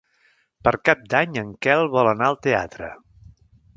Per Cap d'Any en Quel vol anar al teatre.